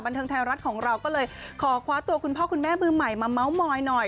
เทิงไทยรัฐของเราก็เลยขอคว้าตัวคุณพ่อคุณแม่มือใหม่มาเม้ามอยหน่อย